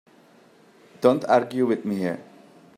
Don't argue with me here.